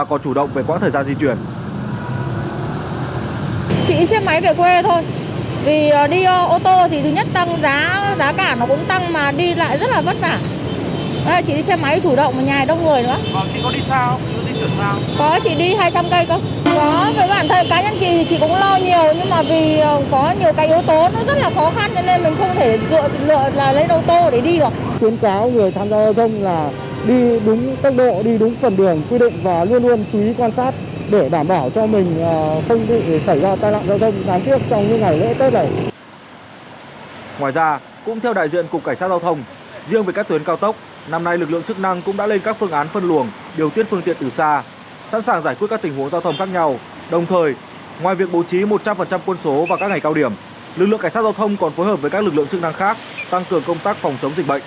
lực lượng cảnh sát giao thông còn phối hợp với các lực lượng chức năng khác tăng cường công tác phòng chống dịch bệnh